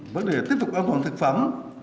vấn đề tiếp tục an toàn thực phẩm